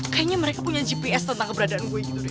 kayaknya mereka punya gps tentang keberadaan gue gitu deh